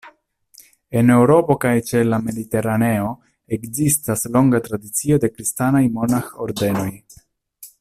En Eŭropo kaj ĉe la Mediteraneo ekzistas longa tradicio de kristanaj monaĥ-ordenoj.